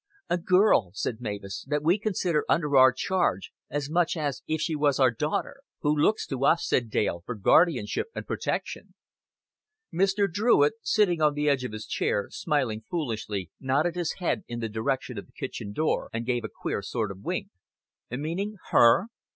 "A girl," said Mavis, "that we consider under our charge, as much as if she was our daughter." "Who looks to us," said Dale, "for guardianship and protection." Mr. Druitt, sitting on the edge of his chair, smiling foolishly, nodded his head in the direction of the kitchen door, and gave a queer sort of wink. "Meaning _her?